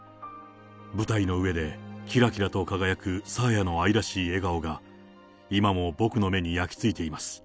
舞台の上で、きらきらと輝くさーやの愛らしい笑顔が今も僕の目に焼きついています。